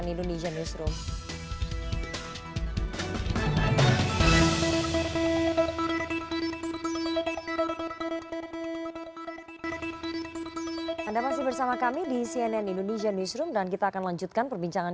itu sudah tepat